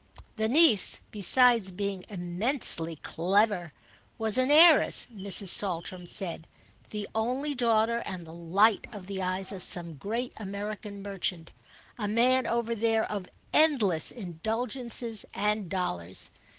The niece, besides being immensely clever, was an heiress, Mrs. Saltram said; the only daughter and the light of the eyes of some great American merchant, a man, over there, of endless indulgences and dollars.